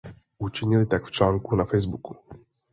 Učinili tak v článku na Facebooku.